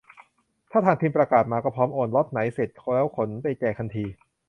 ถ้าทางทีมประกาศมาก็พร้อมโอน ล็อตไหนเสร็จแล้วขนไปแจกทันที